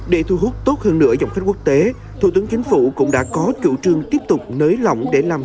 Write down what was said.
để thu hút tốt hơn nửa dòng khách quốc tế thủ tướng chính phủ cũng đã có chủ trương tiếp tục nới lỏng để làm